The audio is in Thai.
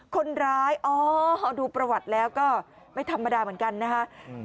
คนร้ายอ๋อดูประวัติแล้วก็ไม่ธรรมดาเหมือนกันนะคะ